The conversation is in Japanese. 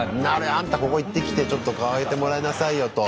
「あんたここ行ってきてちょっと変えてもらいなさいよ」と。